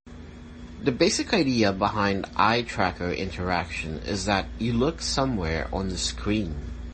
The basic idea behind eye tracker interaction is that you look somewhere on the screen.